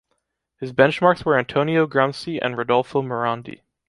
His benchmarks were Antonio Gramsci and Rodolfo Morandi.